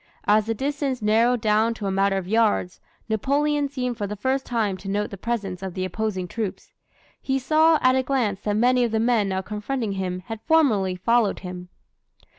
As the distance narrowed down to a matter of yards, Napoleon seemed for the first time to note the presence of the opposing troops. He saw at a glance that many of the men now confronting him had formerly followed him.